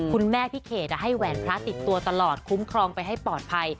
พี่เขตให้แหวนพระติดตัวตลอดคุ้มครองไปให้ปลอดภัย